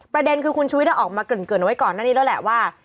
ประเด็นคือคุณชุวิตออกมาเกริ่นไว้ก่อนหน้านี้แล้วแหละว่า